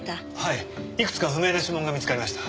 いくつか不明な指紋が見つかりました。